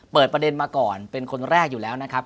เปิดประเด็นมาก่อนเป็นคนแรกอยู่แล้วนะครับ